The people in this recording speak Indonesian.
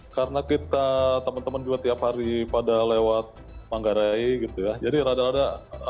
karena kita teman teman juga tiap hari pada lewat manggarai gitu ya jadi rada rada